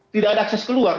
tidak ada akses keluar